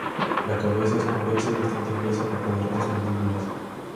La cabeza es convexa y bastante gruesa con poderosas mandíbulas.